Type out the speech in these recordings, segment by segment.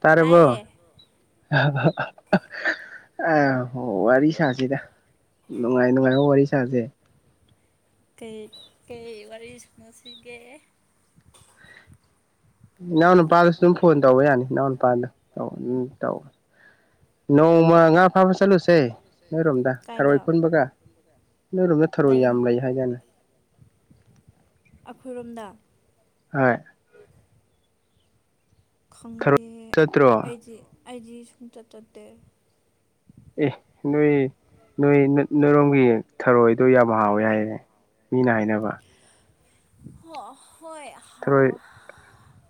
ꯇꯥꯔꯕꯣ ꯇꯥꯏꯌꯦ [unintelligible] ꯑ ꯋꯥꯔꯤ ꯁꯥꯁꯤꯗ ꯅꯨꯡꯉꯥꯏ ꯅꯨꯡꯉꯥꯏꯕ ꯋꯥꯔꯤ ꯁꯥꯁꯦ ꯀꯩ ꯀꯩ ꯋꯥꯔꯤ ꯁꯥꯟꯅꯁꯤꯒꯦ ꯏꯅꯥꯎ ꯅꯨꯄꯥꯗꯨꯁꯨꯝ ꯑꯗꯨꯝ ꯐꯣꯟ ꯇꯧꯕ ꯌꯥꯅꯤ ꯏꯅꯥꯎꯗꯥ ꯇꯧ ꯇꯧ ꯅꯣꯡꯃ ꯉꯥ ꯐꯥꯕ ꯆꯠꯂꯨꯁꯦ ꯅꯣꯏꯔꯣꯝꯗ ꯀꯥꯏꯗ ꯊꯔꯣꯏ ꯈꯨꯟꯕꯒ ꯅꯣꯏꯔꯣꯝꯗ ꯊꯔꯣꯏ ꯀꯗꯥꯏꯔꯣꯝ ꯌꯥꯝ ꯂꯩ ꯍꯥꯏꯗꯥꯢꯅꯦ ꯑꯩꯈꯣꯏꯔꯣꯝꯗ ꯍꯣꯢ ꯈꯪꯗꯦ ꯆꯠꯇ꯭ꯔꯣ ꯑꯩꯗꯤ ꯑꯩꯗꯤ ꯁꯨꯡꯆꯠ ꯆꯠꯇꯦ ꯑꯦ ꯅꯣꯏ ꯅꯣꯏ ꯅꯣꯏꯔꯣꯝꯒꯤ ꯊꯔꯣꯏꯗꯣ ꯌꯥꯝ ꯍꯥꯎꯋꯦ ꯍꯥꯏꯌꯦ ꯃꯤꯅ ꯍꯥꯏꯅꯕ [unintelligible] ꯍꯥꯎ ꯊꯔꯣꯏ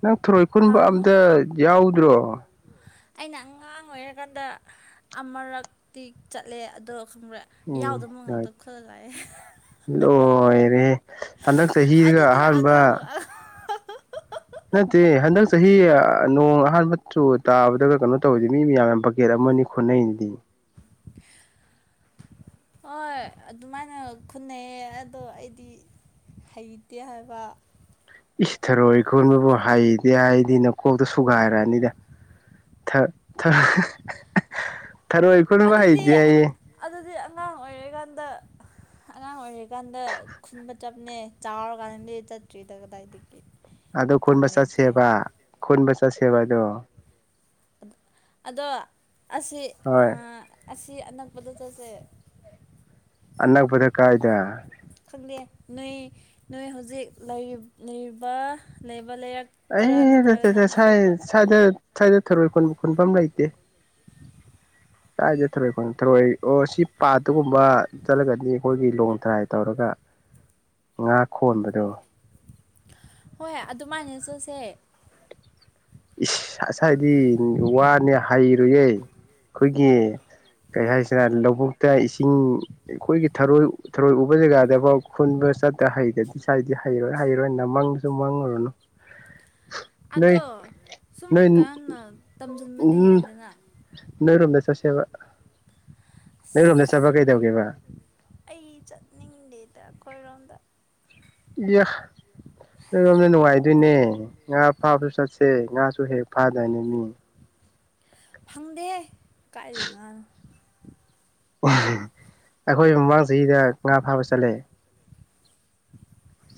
ꯅꯪ ꯊꯔꯣꯏ ꯈꯨꯟꯕ ꯍꯥꯎ ꯑꯝꯇ ꯌꯥꯎꯗ꯭ꯔꯣ ꯑꯩꯅ ꯑꯉꯥꯡ ꯑꯣꯏꯔꯀꯥꯟꯗ ꯑꯃꯥꯔꯛꯇꯤ ꯆꯠꯂꯦ ꯑꯗꯣ ꯈꯪꯕ꯭ꯔꯥ ꯎꯝ ꯌꯥꯎꯗꯕ ꯉꯥꯛꯇ ꯈꯨꯜꯂꯒ ꯂꯥꯛꯑꯦ ꯂꯣꯏꯔꯦ ꯍꯟꯗꯛ ꯆꯍꯤꯒ ꯑꯍꯥꯟꯕ ꯍꯥꯍꯥꯍꯥ ꯅꯠꯇꯦ ꯍꯟꯗꯛ ꯆꯍꯤ ꯅꯣꯡ ꯑꯍꯥꯟꯕ ꯆꯨ ꯇꯥꯕꯗꯒ ꯀꯥꯅꯣ ꯇꯧꯏꯗꯨꯗꯤ ꯃꯤ ꯃꯌꯥꯝꯅ ꯕꯀꯦꯠ ꯑꯃ ꯃꯅꯤ ꯈꯨꯠꯅꯩꯗꯨꯗꯤ [inaudible] ꯍꯣꯏ ꯑꯗꯨꯃꯥꯏꯅ ꯈꯨꯟꯅꯩꯑꯦ ꯑꯗꯣ ꯑꯩꯗꯤ ꯍꯩꯇꯦ ꯍꯥꯏꯕ ꯏꯁ ꯊꯔꯣꯏ ꯈꯣꯟꯕꯕꯨ ꯍꯩꯇꯦ ꯍꯥꯏꯗꯤ ꯅꯀꯣꯛꯇꯣ ꯁꯨꯒꯥꯏꯔꯛꯑꯅꯤꯗ ꯊ ꯊ [unintelligible] ꯊꯔꯣꯢ ꯈꯨꯟꯕꯕꯨ ꯑꯗꯨꯗꯤ ꯍꯩꯇꯦꯑꯌꯦ ꯑꯪ- ꯑꯗꯨꯗꯤ ꯑꯉꯥꯡ ꯑꯣꯏꯔꯤꯀꯥꯟꯗ ꯑꯉꯥꯡ ꯑꯣꯏꯔꯤꯀꯥꯟꯗ ꯈꯨꯟꯕ ꯆꯞꯅꯦ ꯆꯥꯎꯔꯀꯥꯟꯗꯗꯤ ꯆꯠꯇ꯭ꯔꯤꯗ ꯀꯗꯥꯏꯗꯒꯤ ꯑꯗꯨ ꯃꯇꯝ ꯈꯨꯟꯕ ꯂꯩꯇꯦ ꯆꯠꯁꯦꯕ ꯈꯨꯟꯕ ꯆꯠꯁꯦꯕ ꯑꯗꯣ ꯑꯗꯣ ꯑꯁꯤ ꯍꯣꯏ ꯑꯥ ꯑꯁꯤ ꯑꯅꯛꯄꯗ ꯆꯠꯁꯦ ꯑꯅꯛꯄꯗ ꯀꯥꯢꯗ ꯈꯪꯪꯗꯦ ꯅꯣꯏ ꯅꯣꯏ ꯍꯧꯖꯤꯛ ꯂꯩꯔꯤ ꯂꯩꯔꯤꯕ ꯂꯩ ꯑꯩ ꯁꯥꯢ ꯁꯥꯏꯗ ꯁꯥꯢꯗ ꯊꯔꯣꯢ ꯈꯨꯟꯕ ꯈꯨꯟꯐꯝ ꯂꯩ ꯇꯦ [inaudible] ꯁꯥꯏꯗ ꯊꯧꯔꯣꯏ ꯈꯨꯟ ꯊꯧꯔꯣꯢ ꯑꯣ ꯁꯤ ꯄꯥꯠꯇꯨꯒꯨꯝꯕ ꯆꯠꯂꯒꯗꯤ ꯑꯩꯈꯣꯏꯒꯤ ꯂꯣꯡꯇ꯭ꯔꯥꯏ ꯇꯧꯔꯒ ꯉꯥ ꯈꯣꯟꯕꯗꯣ ꯍꯣꯏ ꯑꯗꯨꯃꯥꯏꯅ ꯆꯠꯁꯦ ꯏꯁ ꯑꯁꯥꯏꯗꯤ ꯋꯥꯅꯦ ꯍꯥꯏꯔꯨꯌꯦ ꯑꯩꯈꯣꯏꯒꯤ ꯀꯩ ꯍꯥꯏꯁꯤꯔ ꯂꯧꯕꯨꯛꯇ ꯏꯁꯤꯡ ꯑꯩꯈꯣꯏꯒꯤ ꯊꯔꯣꯏ ꯊꯔꯣꯏ ꯎꯕ ꯖꯒꯥꯗꯐꯥꯎ ꯈꯨꯟꯕ ꯆꯠꯇ꯭ꯔ ꯍꯩꯇ꯭ꯔꯗꯤ ꯁꯥꯏꯗꯤ ꯍꯩꯔꯣꯏ ꯍꯩꯔꯣꯏ ꯅꯃꯪꯗꯁꯨ ꯃꯪꯉꯨꯔꯅꯨ [inaudible] ꯅꯣꯏ ꯑꯗꯣ ꯁꯨꯝ ꯅꯣꯏ ꯀꯔꯅ ꯇꯝꯖꯟꯕꯗꯤ ꯎꯝ ꯌꯥꯏꯗꯅ ꯅꯣꯏꯔꯣꯝꯗ ꯆꯠꯁꯦꯕ ꯅꯣꯏꯔꯣꯝꯗ ꯆꯠꯄ ꯑꯁ ꯀꯩꯗꯧꯒꯦꯕ ꯑꯩ ꯆꯠꯅꯤꯡꯗꯦꯗ ꯑꯩꯈꯣꯏꯔꯣꯝꯗ ꯑꯦ ꯅꯣꯢꯔꯣꯝꯅ ꯅꯨꯡꯉꯥꯏꯗꯣꯏꯅꯦ ꯉꯥ ꯐꯥꯕꯁꯨ ꯆꯠꯁꯦ ꯉꯥꯁꯨ ꯍꯦꯛ ꯐꯥꯗꯥꯢꯅꯦ ꯃꯤ ꯐꯪꯗꯦꯍꯦ ꯀꯥꯢꯗꯩ ꯉꯥꯅꯣ ꯑꯩꯈꯣꯏ ꯃꯃꯥꯡ ꯆꯍꯤꯗ ꯉꯥ ꯐꯥꯕ ꯆꯠꯂꯦ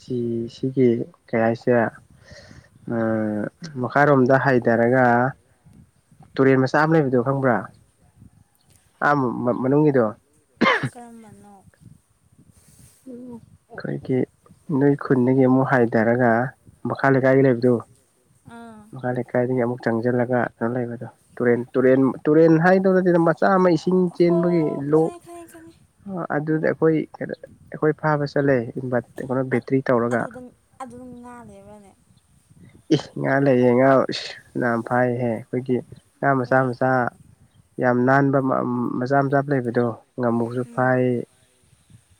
ꯁꯤ ꯁꯤꯒꯤ ꯀꯩ ꯍꯥꯏꯁꯤꯔ ꯑꯝ ꯃꯈꯥꯔꯣꯝꯗ ꯍꯥꯏꯙꯔꯒ ꯇꯨꯔꯦꯟ ꯃꯆꯥ ꯑꯃ ꯂꯩꯕꯗꯣ ꯈꯪꯕ꯭ꯔꯥ ꯑ ꯃꯅꯨꯡꯒꯤꯗꯣ ꯀꯔꯝꯕꯅꯣ ꯈꯣꯏꯒꯤ ꯅꯣꯏ ꯈꯨꯟꯗꯒꯤ ꯑꯃꯨꯛ ꯍꯥꯏꯊꯔꯒ ꯃꯈꯥ ꯂꯩꯀꯥꯏꯒꯤ ꯂꯩꯕꯗꯣ ꯑꯥ ꯃꯈꯥ ꯂꯩꯀꯥꯢꯗꯒꯤ ꯑꯃꯨꯛ ꯆꯪꯁꯤꯜꯂꯒ ꯀꯩꯅꯣ ꯂꯩꯕꯗꯣ ꯇꯨꯔꯦꯟ ꯇꯨꯔꯦꯟ ꯇꯨꯔꯦꯟ ꯍꯥꯏꯗꯨꯔꯤꯔ ꯀꯩꯅꯣ ꯃꯆꯥ ꯆꯥꯝꯃ ꯏꯁꯤꯡ ꯍꯣ ꯆꯦꯟꯕꯒꯤ ꯂꯣꯛ ꯈꯪꯉꯦ ꯈꯪꯉꯦ ꯈꯪꯉꯦ ꯑꯗꯨꯗ ꯂꯣꯛ ꯑꯩꯈꯣꯏ ꯑꯩꯈꯣꯏ ꯐꯥꯕ ꯆꯠꯂꯦ ꯕ ꯀꯩꯅꯣ ꯕꯦꯇ꯭ꯔꯤ ꯇꯧꯔꯒ ꯑꯗꯨꯗ ꯑꯗꯨꯗ ꯉꯥ ꯂꯩꯕ꯭ꯔꯅꯦ ꯏꯁ ꯉꯥ ꯂꯩ ꯉꯥ ꯐꯅꯌꯥꯝ ꯐꯥꯏꯍꯦ ꯑꯩꯈꯣꯏꯒꯤ ꯉꯥ ꯃꯆꯥ ꯑꯦ ꯃꯆꯥ ꯌꯥꯝ ꯅꯥꯟꯕ ꯃꯆꯥ ꯃꯆꯥ ꯂꯩꯕꯗꯣ ꯉꯝꯃꯨꯁꯨ ꯎꯝ ꯐꯥꯢ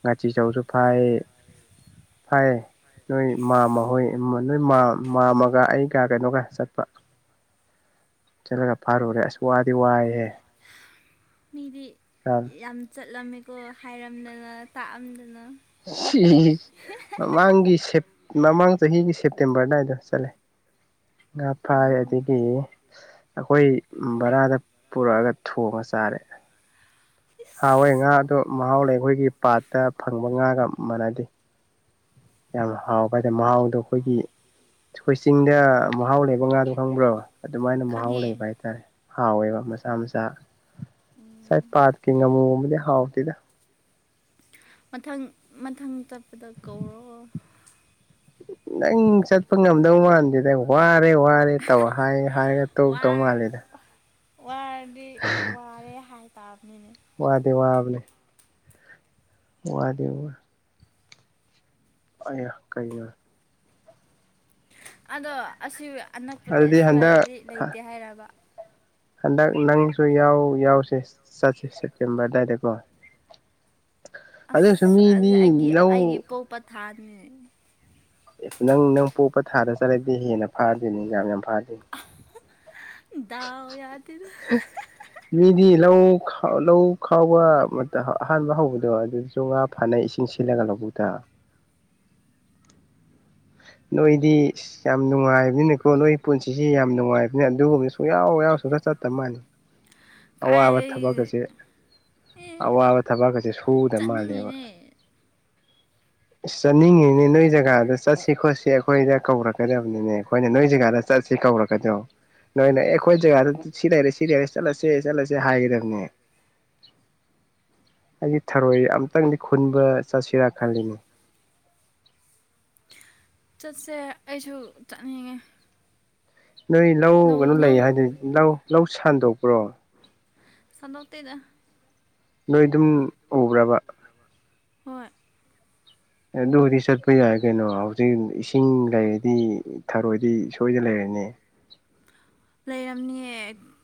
ꯉꯥꯆꯤꯆꯧꯁꯨ ꯐꯥꯢ ꯐꯥꯢꯌꯦ ꯅꯣꯏ ꯏꯁ ꯃꯥꯝꯃ ꯍꯣꯏ ꯃ ꯅꯣꯏ ꯃꯥꯝ ꯃꯥꯝꯃꯒ ꯑꯩꯒ ꯀꯩꯅꯣꯒ ꯆꯠꯄ ꯆꯠꯂꯒ ꯐꯥꯔꯨꯔꯦ ꯑꯁ ꯋꯥꯗꯤ ꯋꯥꯏꯍꯦ ꯆꯠꯂꯝꯃꯤꯀꯣ ꯍꯥꯏꯔꯝꯗꯅ ꯇꯥꯛꯑꯝꯗ ꯃꯃꯥꯡꯒꯤ ꯁꯦꯞ ꯃꯃꯥꯡ ꯆꯍꯤꯒꯤ ꯁꯦꯞ ꯇꯦꯝꯕꯔ ꯑꯗꯥꯏꯗ ꯆꯠꯂꯦ ꯉꯥ ꯐꯥꯏ ꯎꯝ ꯑꯗꯒꯤ ꯑꯩꯈꯣꯏ ꯚꯔꯥꯗ ꯄꯨꯔꯛꯑꯒ ꯊꯣꯡꯉ ꯆꯥꯔꯦ ꯍꯥꯎꯋꯦ ꯉꯥ ꯏꯁ ꯑꯗꯣ ꯃꯍꯥꯎ ꯂꯩ ꯑꯩꯈꯣꯏꯒꯤ ꯄꯥꯠꯇ ꯐꯪꯕ ꯉꯥꯒ ꯃꯥꯟꯅꯗꯦ ꯌꯥꯝ ꯍꯥꯎꯕ ꯍꯥꯏꯗ ꯃꯍꯥꯎꯗꯣ ꯑꯩꯈꯣꯏꯒꯤ ꯑꯩꯈꯣꯏ ꯆꯤꯡꯗ ꯃꯍꯥꯎ ꯂꯩꯕ ꯉꯥꯗꯣ ꯈꯪꯕ꯭ꯔꯣ ꯑꯗꯨꯃꯥꯏꯅ ꯃꯍꯥꯎ ꯈꯪꯉꯦ ꯂꯩꯕ ꯍꯥꯏꯇꯥꯔꯦ ꯍꯥꯎꯋꯦꯕ ꯃꯆꯥ ꯃꯆꯥ ꯁꯥꯏ ꯄꯥꯠꯀꯤ ꯉꯥꯃꯨꯒꯨꯝꯕꯗꯤ ꯍꯥꯎꯇꯦꯗ ꯃꯊꯪ ꯃꯊꯪ ꯆꯠꯄꯗ ꯀꯧꯔꯣ ꯅꯪ ꯆꯠꯄ ꯉꯝꯗꯧ ꯃꯥꯟꯗꯦꯅꯦ ꯍ꯭ꯋꯥꯠ ꯀꯩ ꯋꯥꯔꯦ ꯇꯧ ꯍꯥꯏ ꯍꯥꯏꯔꯒ ꯇꯧ ꯇꯣꯛꯇꯧ ꯋꯥꯔ ꯃꯥꯜꯂꯦꯗ ꯋꯥꯔꯗꯤ ꯋꯥꯔꯦ ꯍꯥꯏꯇꯥꯕ ꯋꯥꯗꯤ ꯋꯥꯕꯅꯦ ꯋꯥꯗꯤ ꯋꯥ ꯑꯌꯥ ꯀꯩꯅꯣ ꯑꯗꯣ ꯑꯁꯤ ꯑꯅꯛꯄꯗꯤ ꯑꯗꯨꯗꯤ ꯍꯟꯗꯛ ꯑꯁꯤꯋꯥꯏꯗꯗꯤ ꯂꯩꯇꯦ ꯍꯥꯏꯔꯕ ꯍꯟꯗꯛ ꯅꯪꯁꯨ ꯌꯥꯎ ꯌꯥꯎꯁꯦ ꯆꯠꯁꯦ ꯁꯦꯞꯇꯦꯝꯕꯔ ꯑꯗꯨꯋꯥꯏꯗꯀꯣ ꯑꯗꯨꯁꯨ ꯑꯁ ꯑꯗꯨꯗꯤ ꯃꯤꯗꯤ ꯑꯩꯒꯤ ꯑꯩꯒꯤ ꯂꯧ ꯄꯣꯛꯄ ꯄꯊꯥꯅꯤꯅꯦ ꯑꯦ ꯅꯪ ꯅꯪ ꯄꯣꯛꯄ ꯊꯥꯗ ꯆꯠꯂꯗꯤ ꯍꯦꯟꯅ ꯐꯥꯗꯣꯏꯅꯤꯅ ꯌꯥꯝ ꯐꯥꯗꯣꯏꯅꯦ ꯗꯥꯎ ꯌꯥꯗꯦ [unintelligible] ꯃꯤꯗꯤ ꯂꯧ ꯈꯥꯎ ꯂꯧ ꯈꯥꯎꯕ ꯃꯇꯝ ꯑꯍꯥꯟꯕ ꯍꯧꯕꯗꯣ ꯑꯗꯨꯗꯁꯨ ꯉꯥ ꯐꯥꯅꯩ ꯏꯁꯤꯡ ꯁꯤꯜꯂꯒ ꯂꯧꯕꯨꯛꯗ [inaudible] ꯅꯣꯏꯗꯤ ꯏꯁ ꯌꯥꯝ ꯅꯨꯡꯉꯥꯏꯕꯅꯤꯅꯀꯣ ꯅꯣꯏ ꯄꯨꯟꯁꯤꯁꯤ ꯌꯥꯝ ꯅꯨꯡꯉꯥꯏꯕꯅꯤ ꯑꯗꯨꯒꯨꯝꯕ ꯁꯨꯡꯌꯥꯎ ꯌꯥꯎ ꯁꯨꯡ ꯆꯠ ꯆ ꯆꯠꯇꯕ ꯃꯥꯥꯟꯅ ꯑꯋꯥꯕ ꯊꯕꯛ ꯀꯥꯏꯗꯒꯤ ꯑꯁꯦ ꯑꯦ ꯑꯋꯥꯕ ꯊꯕꯛꯀꯁꯦ ꯁꯨꯗꯕ ꯃꯥꯜꯂꯦꯕ ꯆꯠꯅꯤꯡꯉꯤꯅꯦ [inaudible] ꯑꯁ ꯆꯠꯅꯤꯡꯉꯤꯅꯦ ꯅꯣꯏ ꯖꯒꯥꯗ ꯆꯠꯁꯤ ꯈꯣꯠꯁꯤ ꯑꯩꯈꯣꯏꯗ ꯀꯧꯔꯛꯀꯗꯕꯅꯤꯅꯦ ꯑꯩꯈꯣꯏꯅ ꯅꯣꯏ ꯖꯒꯥꯗ ꯆꯠ ꯁꯤ ꯀꯧꯔꯛꯒꯗꯣ ꯅꯣꯏꯅ ꯑꯦ ꯑꯩꯈꯣꯏ ꯖꯒꯥꯗ ꯁꯤ ꯂꯩꯔꯦ ꯁꯤ ꯂꯩꯔꯦ ꯆꯠꯂꯁꯤ ꯁꯦ ꯆꯠꯂꯁꯦ ꯍꯥꯏꯒꯗꯕꯅꯦ ꯑꯩꯒꯤ ꯊꯔꯣꯏ ꯑꯝꯇꯪꯗꯤ ꯈꯨꯟꯕ ꯆꯠꯁꯤꯔꯥ ꯈꯜꯂꯤꯅꯦ ꯆꯠꯁꯦ ꯑꯩꯁꯨ ꯆꯠꯅꯤꯡꯉꯦ ꯅꯣꯏ ꯂꯧ ꯀꯩꯅꯣ ꯂꯩ ꯍꯥꯏꯗꯨꯗꯤ ꯂꯧ ꯂꯧ ꯁꯟꯗꯣꯛꯄ꯭ꯔꯣ ꯁꯥꯟꯗꯣꯛꯇꯦꯗ ꯅꯣꯏ ꯑꯗꯨꯝ ꯎꯕ꯭ꯔꯕ ꯍꯣꯏ ꯑꯗꯨꯕꯨꯗꯤ ꯆꯠꯄ ꯌꯥꯏ ꯀꯩꯅꯣ ꯍꯧꯖꯤꯛ ꯏꯁꯤꯡ ꯂꯩꯔꯗꯤ ꯊꯔꯣꯏꯗꯤ ꯁꯣꯏꯗꯅ ꯂꯩꯔ ꯅꯦ ꯂꯩꯔꯝꯅꯤꯌꯦ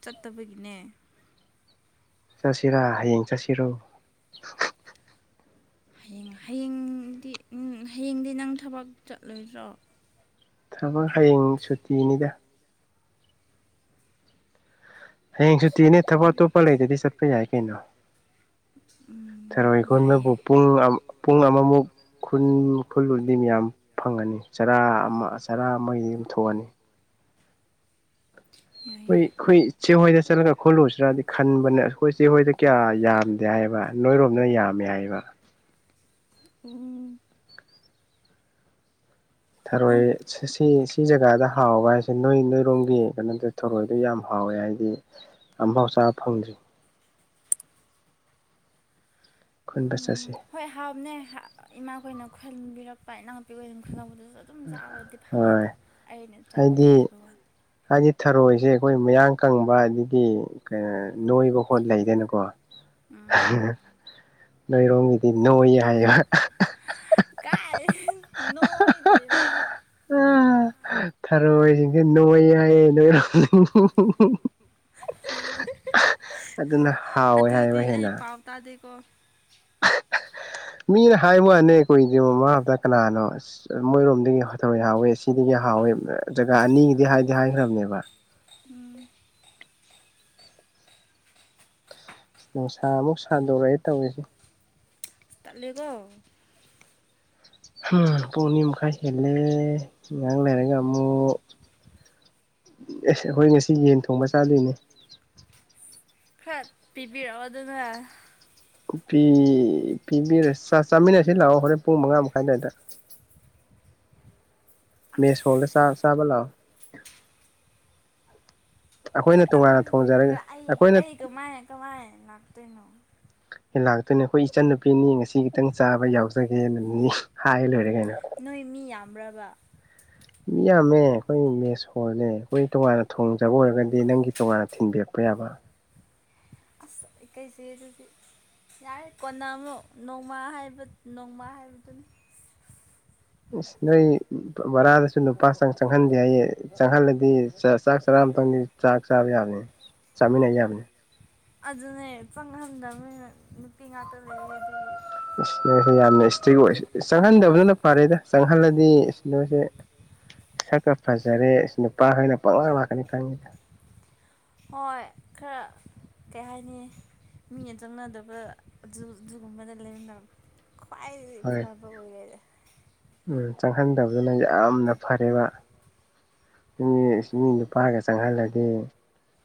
ꯆꯠꯇꯕꯒꯤꯅꯦ ꯆꯠꯁꯤꯔꯥ ꯍꯌꯦꯡ ꯆꯠꯁꯤꯔꯣ ꯍꯌꯦꯡ ꯍꯌꯦꯡꯗꯤ ꯍꯌꯦꯡꯗꯤ ꯅꯪ ꯊꯕꯛ ꯆꯠꯂꯣꯏꯗ꯭ꯔꯣ ꯊꯕꯛ ꯍꯌꯦꯡ ꯁꯨꯇꯤꯅꯤꯗ ꯍꯌꯦꯡ ꯁꯨꯇꯤꯅꯦ ꯊꯕꯛ ꯁꯨꯇꯤ ꯑꯇꯣꯞꯄ ꯂꯩꯇꯗꯤ ꯆꯠꯄ ꯌꯥꯏ ꯀꯩꯅꯣ ꯎꯝ ꯊꯔꯣꯏ ꯈꯨꯟꯕꯕꯨ ꯌꯥꯏꯌꯦ ꯄꯨꯡ ꯑꯝ ꯄꯨꯡ ꯑꯃꯃꯨꯛ ꯈꯨꯟ ꯈꯨꯜꯂꯨ ꯃꯤ ꯃꯌꯥꯝ ꯐꯪꯉꯅꯤ ꯆꯔꯥ ꯑꯃ ꯆꯔꯥ ꯑꯃꯒꯤꯗꯤ ꯑꯗꯨꯝ ꯊꯣꯛꯑꯅꯤ ꯍꯣꯏ ꯌꯥꯏꯌꯦ ꯑꯩꯈꯣꯏ ꯆꯦꯍꯣꯏꯗ ꯆꯠꯂꯒ ꯈꯣꯠꯂꯨꯁꯤ꯭ꯔꯗꯤ ꯈꯟꯕꯅꯦ ꯑꯩꯈꯣꯏ ꯆꯦꯍꯣꯏꯗ ꯀꯌꯥ ꯌꯥꯝꯗꯦ ꯍꯥꯏ ꯍꯥꯏꯕ ꯅꯣꯏꯔꯣꯝꯗꯅ ꯌꯥꯝꯃꯦ ꯍꯥꯏꯕ ꯎ ꯎꯝ ꯊꯔꯣꯏ ꯁꯤ ꯁꯤ ꯖꯒꯥꯗ ꯍꯥꯎꯕ ꯍꯥꯏꯁꯦ ꯅꯣꯏ ꯅꯣꯏꯔꯣꯝꯒꯤ ꯀꯩꯅꯣꯗ ꯊꯔꯣꯏꯗꯣ ꯌꯥꯝ ꯍꯥꯎꯋꯦ ꯍꯥꯏ ꯑꯝꯐꯥꯎ ꯆꯥꯕ ꯐꯪꯗ꯭ꯔꯤ ꯈꯨꯟꯕ ꯎꯝ ꯆꯠꯁꯤ ꯍꯣꯏ ꯍꯥꯎꯕꯅꯦ ꯏꯃꯥꯈꯣꯏꯅ ꯈꯨꯟꯕꯤꯔꯛꯄ ꯏꯅꯥꯎ ꯅꯨꯄꯤꯈꯣꯏ ꯈꯨꯂꯛꯄꯗꯁꯨ ꯑꯗꯨꯝ ꯆꯥꯕꯗꯤ ꯐꯪꯉꯦ ꯍꯣꯏ ꯑꯗꯣ ꯆꯠꯇꯦ ꯍꯥꯏꯗꯤ ꯍꯥꯏꯕ ꯋꯥꯅꯤ ꯍꯥꯏꯗꯤ ꯊꯔꯣꯏꯁꯦ ꯑꯩꯈꯣꯏ ꯃꯌꯥꯡ ꯀꯪꯕ ꯑꯗꯒꯤ ꯀꯩꯅꯣ ꯅꯣꯏꯕ ꯈꯣꯠ ꯂꯩꯗꯅꯀꯣ ꯎꯝ ꯅꯣꯏꯔꯣꯝꯒꯤꯗꯤ ꯅꯣꯏ ꯍꯥꯏꯕ ꯀꯥꯏꯗꯩ ꯅꯣꯏꯗꯦꯗ ꯑꯥ ꯊꯔꯣꯏꯁꯤꯡꯁꯦ ꯅꯣꯏ ꯌꯥꯏꯌꯦ ꯅꯣꯏꯔꯣꯝ ꯍꯨꯝ ꯍꯨ ꯍꯨꯝ ꯑꯗꯨꯅ ꯍꯥꯎꯋꯦ ꯑꯗꯨꯗꯤ ꯍꯥꯏꯕ ꯑꯩ ꯍꯦꯟꯅ ꯄꯥꯎ ꯇꯥꯗꯦꯀꯣ ꯃꯤꯅ ꯍꯥꯏ ꯋꯥꯅꯦ ꯀꯨꯏꯗ꯭ꯔꯤ ꯃꯃꯥꯡ ꯍꯞꯇ ꯀꯅꯥꯅꯣ ꯑꯁ ꯃꯣꯏꯔꯣꯝꯗꯒꯤ ꯊꯔꯣꯏ ꯍꯥꯎꯋꯦ ꯑꯁꯤꯗꯒꯤ ꯍꯥꯎꯋꯦ ꯖꯒꯥ ꯑꯅꯤꯒꯤꯗꯤ ꯍꯥꯏꯗꯤ ꯍꯥꯏꯈ꯭ꯔꯕꯅꯦꯕ ꯎꯝ ꯅꯨꯡꯁꯥ ꯑꯃꯨꯛ ꯁꯥꯗꯣꯔꯛꯑꯦ ꯇꯧꯔꯤꯁꯦ ꯇꯜꯂꯦꯀꯣ ꯄꯨꯡꯑꯅꯤꯃꯈꯥꯏ ꯍꯦꯟꯅꯦ ꯉꯥꯛ ꯂꯩꯔꯒ ꯑꯃꯨꯛ ꯑꯦꯁ ꯑꯩꯈꯣꯏ ꯉꯁꯤ ꯌꯦꯟ ꯊꯣꯡꯕ ꯆꯥꯗꯣꯏꯅꯦ ꯈꯔ ꯄꯤꯕꯤꯔꯛꯑꯣꯗꯅ ꯄꯤ ꯄꯤꯕꯤꯔ ꯆꯥ ꯆꯥꯃꯤꯟꯅꯁꯤ ꯂꯥꯛꯑꯣ ꯍꯣꯔꯦꯟ ꯄꯨꯡ ꯃꯉꯥ ꯃꯈꯥꯏ ꯑꯗꯥꯏꯗ ꯃꯦꯁ ꯑꯁ ꯍꯣꯜꯗ ꯆꯥ ꯆꯥꯕ ꯂꯥꯛ ꯑꯣ ꯈꯤꯇꯪ ꯑꯣꯏꯁꯨ ꯊꯣꯡꯖꯔꯒ ꯄꯤꯕꯤꯔꯣ ꯑꯩ ꯑꯩꯈꯣꯏꯅ ꯑꯩ ꯀꯃꯥꯏꯅ ꯀꯃꯥꯏ ꯂꯥꯛꯇꯣꯏꯅꯣ ꯂꯥꯛꯇꯣꯏꯅꯦ ꯑꯩꯈꯣꯏ ꯏꯆꯟ ꯅꯨꯄꯤꯅꯤ ꯉꯁꯤ ꯈꯤꯇꯪ ꯆꯥꯕ ꯌꯥꯎꯖꯒꯦꯅ ꯍꯥꯏ ꯂꯣꯏꯔꯦꯒꯩꯅꯣ ꯅꯣꯏ ꯃꯤ ꯌꯥꯝꯕ꯭ꯔꯕ ꯃꯤ ꯌꯥꯝꯃꯦ ꯑꯩꯈꯣꯏ ꯃꯦꯁ ꯍꯣꯜꯅꯦ ꯑꯩꯈꯣꯏ ꯇꯣꯉꯥꯟꯅ ꯊꯣꯡꯖꯕ ꯑꯣꯏꯔꯒꯗꯤ ꯅꯪꯒꯤ ꯇꯣꯉꯥꯟꯅ ꯊꯤꯟꯕꯤꯔꯛꯄ ꯄ ꯌꯥꯕ ꯑꯁ ꯏꯀꯩꯖꯩ ꯑꯗꯨꯗꯤ ꯌꯥꯔꯦ ꯀꯣꯟꯅ ꯑꯃꯨꯛ ꯅꯣꯡꯃꯥ ꯍꯥꯏꯕ ꯅꯣꯡꯃꯥ ꯍꯥꯏꯕꯗꯨꯅꯤ ꯑꯁ ꯅꯣꯏ ꯕꯔꯥꯗꯁꯨ ꯅꯨꯄꯥ ꯆꯪ ꯆꯪꯍꯟꯗꯦ ꯍꯥꯏꯌꯦ ꯆꯪꯍꯜꯂꯗꯤ ꯑꯝꯇꯪꯗꯤ ꯆꯥꯛ ꯆꯥꯕ ꯌꯥꯕꯅꯤ ꯆꯥꯃꯤꯟꯅ ꯌꯥꯕꯅꯦ ꯑꯗꯨꯅꯦ ꯆꯪꯍꯟꯗꯕꯅꯤꯅ ꯅꯨꯄꯤ ꯉꯥꯛꯇ ꯂꯩꯌꯦ ꯑꯗꯨꯒꯤ ꯏꯁ ꯅꯣꯏꯁꯦ ꯌꯥꯝꯅ ꯏꯁꯇ꯭ꯔꯤꯛ ꯑꯣꯏ ꯆꯪꯍꯟꯗꯕꯗꯨꯅ ꯐꯔꯦꯗ ꯆꯪꯍꯜꯂꯗꯤ ꯏꯁ ꯅꯣꯏꯁꯦ ꯁꯛꯀ [unintelligible] ꯐꯖꯔꯦ ꯅꯨꯄꯥꯈꯣꯏꯅ ꯄꯪꯂꯥꯛ ꯂꯥꯛꯀꯅꯤ ꯈꯪꯉꯤꯗ ꯍꯣꯏ ꯈꯔ ꯀꯩ ꯍꯥꯏꯅꯤ ꯃꯤꯅ ꯆꯪꯅꯗꯕ ꯑꯗꯨ ꯑꯗꯨꯒꯨꯝꯕꯗ ꯂꯩꯃꯤꯟꯅꯕ ꯈ꯭ꯋꯥꯏꯗꯒꯤ ꯍꯣꯏ ꯐꯕ ꯑꯣꯏꯔꯦꯗ ꯆꯪꯍꯟꯗꯕꯗꯨꯅ ꯌꯥꯝꯅ ꯐꯔꯦꯕ ꯃꯤ ꯏꯁ ꯃꯤ ꯅꯨꯄꯥꯒ ꯆꯪꯍꯜꯂꯗꯤ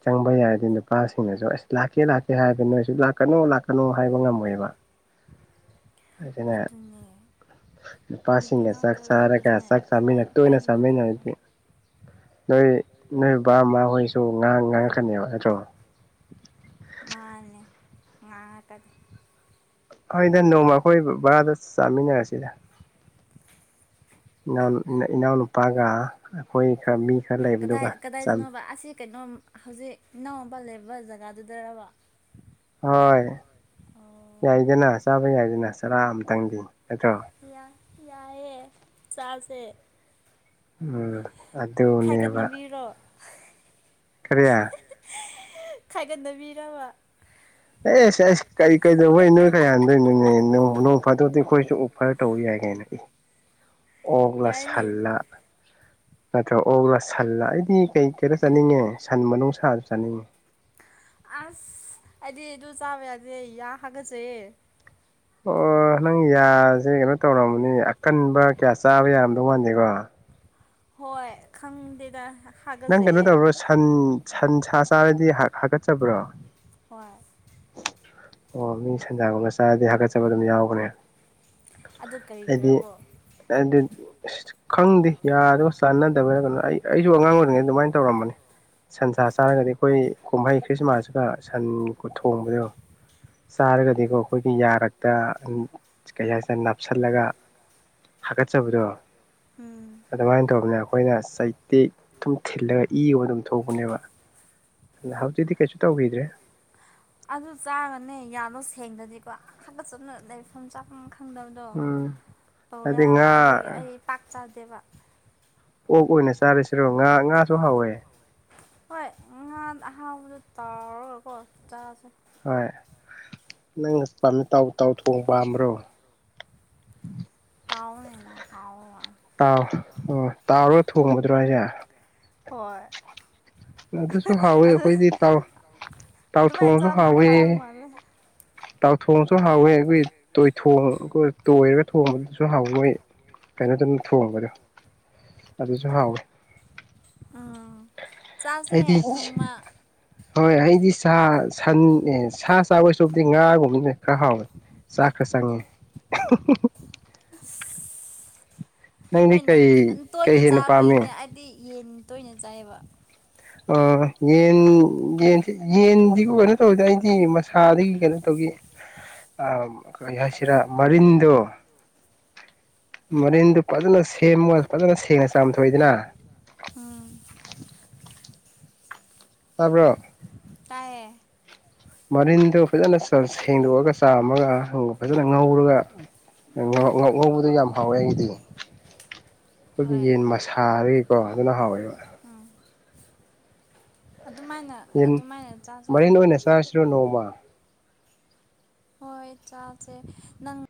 ꯆꯪꯕ ꯌꯥꯔꯗꯤ ꯅꯨꯄꯥꯁꯤꯡꯅꯁꯨ ꯑꯁ ꯂꯥꯛꯀꯦ ꯂꯥꯛꯀꯦ ꯍꯥꯏꯕ ꯅꯣꯏꯁꯨ ꯂꯥꯛꯀꯅꯨ ꯂꯥꯛꯀꯅꯨ ꯍꯥꯏꯕ ꯉꯝꯃꯣꯏꯕ ꯑꯗꯨꯅ ꯑꯗꯨꯅꯦ ꯅꯨꯄꯤ ꯅꯨꯄꯥꯁꯤꯡꯒ ꯆꯥꯛ ꯉꯥꯛꯇ ꯆꯥꯔꯒ ꯂꯩꯕꯗꯨꯅ ꯆꯥꯛ ꯈ꯭ꯋꯥꯏ ꯆꯥꯃꯤꯟꯅ ꯇꯣꯏꯅ ꯈ꯭ꯋꯥꯏꯗꯒꯤ ꯐꯕ ꯆꯥꯃꯤꯟꯅꯔꯗꯤ ꯅꯣꯏ ꯅꯣꯏ ꯕꯥ ꯃꯥꯍꯣꯏꯁꯨ ꯉꯥꯡ ꯉꯥꯡꯉꯛꯀꯅꯦꯕ ꯅꯠꯇ꯭ꯔꯣ ꯃꯥꯅꯦ ꯉꯥꯉꯥꯛꯇ ꯍꯣꯏꯗ ꯅꯣꯡꯃ ꯑꯩꯈꯣꯏ ꯕꯔꯥꯗ ꯆꯥꯃꯤꯟꯅꯔꯁꯤꯗ ꯏꯅꯥꯎ ꯏꯅꯥꯎꯅꯨꯄꯥꯒ ꯑꯩꯈꯣꯏ ꯈꯔ ꯃꯤ ꯈꯔ ꯀꯗꯥꯏ ꯂꯩꯕꯗꯨꯒ ꯆꯥꯃꯤ ꯀꯗꯥꯏꯗꯅꯣꯕ ꯑꯁꯤ ꯀꯩꯅꯣꯝ ꯍꯧꯖꯤꯛ ꯏꯅꯥꯎꯄ ꯂꯩꯕ ꯕ ꯖꯒꯥꯗꯨꯗꯔꯕ ꯍꯣꯏ ꯑꯣ ꯌꯥꯏꯗꯅ ꯆꯥꯕ ꯌꯥꯏꯗꯅ ꯆꯔꯥ ꯑꯝꯇꯪꯗꯤ ꯌꯥ ꯌꯥꯏꯑꯦ ꯆꯥꯖꯦ ꯎꯝ ꯑꯗꯨꯅꯦꯕ ꯈꯥꯏꯒꯠꯅꯕꯤꯔꯣ ꯀꯔꯤꯌꯥ ꯈꯥꯏꯒꯠꯅꯕꯤꯔꯕ ꯑꯦꯁ ꯑꯦꯁ ꯀꯔꯤ ꯀꯩꯗꯧꯕꯩ ꯅꯣꯏ ꯈꯥꯏꯍꯟꯗꯣꯏꯅꯣꯅꯦ ꯅꯣꯡ ꯅꯣꯡ ꯐꯥꯗꯣꯛꯇꯤ ꯑꯩꯈꯣꯏꯁꯨ ꯑꯣꯐꯔ ꯇꯧ ꯌꯥꯏ [unintelligible] [inaudible] ꯑꯣꯛꯂ ꯌꯥꯏꯅꯦ ꯁꯜꯂ ꯅꯠꯇ꯭ꯔ ꯑꯣꯛꯂ ꯁꯜꯂ ꯑꯩꯗꯤ ꯀꯩ ꯀꯩꯔꯣ ꯆꯥꯅꯤꯡꯉꯦ ꯁꯟ ꯃꯅꯨꯡ ꯁꯥꯖꯨ ꯆꯥꯅꯤꯡꯉꯦ ꯑꯁ ꯑꯩꯗꯤ ꯑꯗꯨ ꯆꯥꯕ ꯌꯥꯗꯦ ꯌꯥ ꯍꯥꯒꯠꯆꯩꯌꯦ ꯑꯣ ꯅꯪ ꯌꯥꯖꯦ ꯀꯩꯅꯣ ꯇꯧꯔꯝꯃꯅꯤ ꯑꯀꯟꯕ ꯀꯌꯥ ꯆꯥꯕ ꯌꯥꯔꯝꯗꯧ ꯃꯥꯟꯗꯦꯀꯣ ꯍꯣꯏ ꯈꯪꯗꯦꯗꯥ ꯅꯪ ꯀꯩꯅꯣ ꯇꯧꯕ꯭ꯔꯣ ꯁꯟ ꯁꯟ ꯁꯥ ꯆꯥꯔꯗꯤ ꯍꯥꯒꯠꯆꯕ꯭ꯔꯣ ꯍꯣꯏ ꯑꯣ ꯃꯤ ꯁꯟꯖꯥꯒꯨꯝꯕ ꯆꯥꯔꯗꯤ ꯍꯥꯒꯠꯆꯕ ꯑꯗꯨꯝ ꯌꯥꯎꯕꯅꯦ ꯑꯗꯨ ꯍꯥꯏꯗꯤ ꯀꯔꯤꯒꯤꯔꯀꯣ ꯍꯥꯏꯗꯤ ꯈꯪꯗꯦ ꯌꯥ ꯗꯨꯒ ꯆꯥꯟꯅꯗꯕꯩꯔ ꯀꯩꯅꯣ ꯑꯩ ꯑꯩꯖꯨ ꯑꯉꯥꯡ ꯑꯣꯏꯔꯤꯉꯩꯗ ꯑꯗꯨꯃꯥꯏꯅ ꯇꯧꯔꯝꯕꯅꯤ ꯁꯟꯆꯥ ꯆꯥꯔꯒꯗꯤ ꯈꯣꯏ ꯀꯨꯝꯍꯩ ꯈ꯭ꯔꯤꯁꯃꯥꯁꯀ ꯁꯟꯀꯣ ꯊꯣꯡꯕꯗꯣ ꯆꯥꯔꯒꯗꯤꯀꯣ ꯈꯣꯏꯒꯤ ꯌꯥꯔꯛꯇ ꯀꯩ ꯍꯥꯏꯁꯤꯔ ꯅꯞꯁꯜꯂꯒ ꯍꯥꯒꯠꯆꯕꯗꯣ ꯎꯝ ꯑꯗꯨꯃꯥꯏꯅ ꯇꯧꯕꯅꯦ ꯑꯈꯣꯏꯅ ꯆꯩꯇꯦꯛ ꯊꯨꯝ ꯊꯤꯜꯂꯒ ꯏ ꯑꯣꯏ ꯑꯗꯨꯝ ꯊꯣꯛꯄꯅꯦꯕ ꯑꯗꯨꯅ ꯍꯧꯖꯤꯛꯇꯤ ꯀꯩꯁꯨ ꯇꯧꯒꯤꯗ꯭ꯔꯦ ꯑꯗꯨ ꯆꯥꯒꯅꯦ ꯌꯥꯗꯣ ꯁꯦꯡꯗꯗꯤꯀꯣ ꯑꯥ ꯍꯥꯒꯠꯆꯅ ꯂꯩꯐꯝ ꯆꯥꯐꯝ ꯈꯪꯗꯕꯗꯣ ꯎꯝ ꯇꯧꯋꯦ ꯍꯥꯏꯗꯤ ꯍꯥꯏꯕ ꯉꯥ ꯑꯗꯨꯒꯤ ꯑꯩ ꯄꯥꯛ ꯆꯥꯗꯦꯕ ꯑꯣꯛ ꯑꯣꯏꯅ ꯆꯥꯔꯁꯤꯔꯣ ꯉꯥ ꯉꯥꯁꯨ ꯍꯥꯎꯋꯦ ꯍꯣꯏ ꯉꯥ ꯑꯍꯥꯎꯕꯗꯣ ꯇꯥꯎꯔꯒꯀꯣ ꯆꯥꯁꯦ ꯍꯣꯏ ꯅꯪ ꯄꯥꯝꯃꯤ ꯇꯥꯎ ꯇꯥꯎ ꯊꯣꯡ ꯄꯥꯝꯕ꯭ꯔꯣ ꯇꯥꯑꯣꯅꯦꯅ ꯍꯥꯎꯑꯣꯏ ꯥꯇꯥꯎ ꯑꯣ ꯇꯥꯎꯔꯒ ꯊꯣꯡꯕꯗꯨꯔꯣ ꯍꯥꯏꯖꯦ ꯍꯣꯏ ꯑꯗꯨꯁꯨ ꯍꯥꯎꯋꯦ ꯑꯗꯨ ꯑꯈꯣꯏꯗꯤ ꯇꯥꯎ ꯑꯗꯨꯃꯥꯏꯅ ꯇꯥꯎꯊꯣꯡꯁꯨ ꯆꯥꯕꯅ ꯍꯥꯎꯋꯦ ꯐꯥꯗꯧ ꯃꯥꯜꯂꯦ ꯇꯥꯎꯊꯣꯡꯁꯨ ꯍꯥꯎꯋꯦ ꯈꯣꯏ ꯇꯣꯏꯊꯣꯡ ꯇꯣꯏꯔꯒ ꯊꯣꯡꯕꯗꯨꯁꯨ ꯨ ꯍꯥꯎꯋꯤ ꯃꯣꯏ ꯀꯩꯅꯣꯗꯧꯅ ꯊꯣꯡꯕꯗꯣ ꯑꯗꯨꯁꯨ ꯍꯥꯎꯋꯦ ꯑꯥ ꯑꯩꯗꯤ ꯍꯣꯏ ꯑꯩꯗꯤ ꯁꯥ ꯁꯟ ꯑꯦ ꯁꯥ ꯆꯥꯕꯣꯏ ꯁꯨꯛꯇꯤ ꯉꯥꯒꯨꯝꯕꯖꯦ ꯈꯔ ꯍꯥꯎꯋꯦ ꯆꯥꯛ ꯈꯔ ꯆꯪꯉꯦ ꯑꯍꯤ ꯍꯤ ꯅꯪꯗꯤ ꯍꯣꯏꯅꯦ ꯀꯩ ꯑꯗꯨ ꯀꯩ ꯇꯣꯏꯅ ꯍꯦꯟꯅ ꯄꯥꯝꯃꯦ ꯆꯥꯕꯒꯤꯅꯦ ꯑꯩꯗꯤ ꯌꯦꯟ ꯇꯣꯏꯅ ꯆꯥꯏꯑꯦꯕꯥ ꯑꯥ ꯌꯦꯟ ꯌꯦꯟꯁꯤ ꯌꯦꯟꯗꯤ ꯀꯩꯅꯣ ꯇꯧꯏꯗ ꯑꯩꯗꯤ ꯃꯁꯥꯗꯒꯤ ꯀꯩꯅꯣ ꯇꯧ ꯒꯤ ꯑꯥ ꯀꯩ ꯍꯥꯏꯁꯤꯔꯥ ꯃꯔꯤꯟꯗꯣ ꯃꯔꯤꯟꯗꯨ ꯐꯖꯅ ꯁꯦꯝꯃꯒ ꯐꯖꯅ ꯁꯦꯡꯅ ꯆꯥꯝꯊꯣꯛꯑꯦꯗꯅꯥ ꯎꯝ ꯇꯥꯕ꯭ꯔꯣ ꯇꯥꯏꯌꯦ ꯃꯔꯤꯟꯗꯣ ꯐꯖꯅ ꯁꯦꯡꯗꯣꯛꯑꯒ ꯆꯥꯝꯃꯒ ꯐꯖꯅ ꯉꯧꯔꯒ ꯉ ꯉꯧꯉꯧꯕꯗꯣ ꯌꯥꯝ ꯍꯥꯎꯋꯦ ꯑꯩꯒꯤꯗꯤ [inaudible] ꯑꯈꯣꯏꯒꯤ ꯍꯣꯏ ꯌꯦꯟ ꯃꯁꯥꯗꯒꯤꯀꯣ ꯑꯗꯨꯅ ꯍꯥꯎꯋꯦꯕ ꯎꯝ ꯑꯗꯨꯃꯥꯏꯅ ꯌꯦꯟ ꯑꯗꯨꯃꯥꯏꯅ ꯆꯥꯁꯦ ꯃꯔꯤꯟ ꯑꯣꯏꯅ ꯆꯥꯔꯁꯤꯔ ꯅꯣꯡꯃ ꯍꯣꯏ ꯆꯥꯁꯦ ꯅꯪ